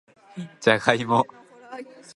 じゃがいも